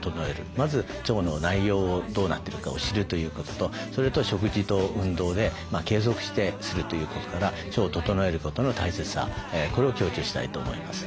まず腸の内容をどうなってるかを知るということとそれと食事と運動で継続してするということから腸を整えることの大切さこれを強調したいと思います。